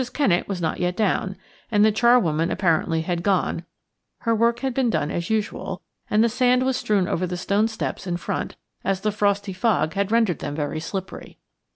Kennett was not yet down, and the charwoman apparently had gone; her work had been done as usual, and the sand was strewn over the stone steps in front, as the frosty fog had rendered them very slippery.